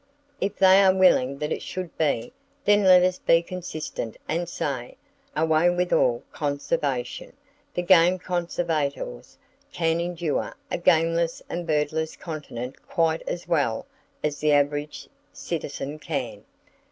If they are willing that it should be, then let us be consistent and say—away with all "conservation!" The game conservators can endure a gameless and birdless continent quite as well as the average citizen can.